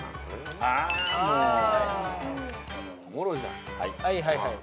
あはいはいはい。